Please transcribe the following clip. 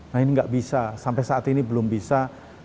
nah ini nggak bisa sampai saat ini belum bisa